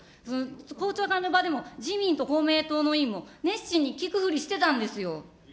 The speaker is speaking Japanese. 公聴会の場でも、自民と公明党の委員も熱心に聞くふりしてたんですよ。